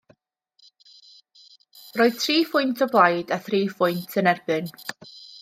Roedd tri phwynt o blaid a thri phwynt yn erbyn.